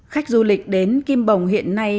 khách du lịch đến kim bồng hiện nay